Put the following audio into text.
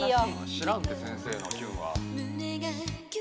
知らんて先生の「キュン」は。